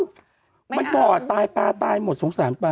มันบ่อตายปลาตายหมดสงสารปลา